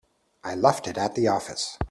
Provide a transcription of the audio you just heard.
I left it at the office.